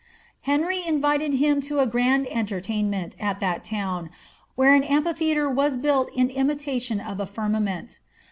Henry invited him to a grand entertainment at that town, where an amphitheatre was built in imitation of a firmament.